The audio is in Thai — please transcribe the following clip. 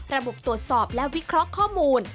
ระบบตรวจสอบและวิเคราะห์ข้อมูล